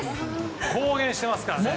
公言してますからね。